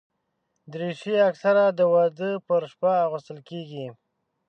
دریشي اکثره د واده پر شپه اغوستل کېږي.